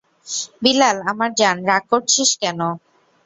বিলাল, আমার জান, রাগ করছিস কেনো?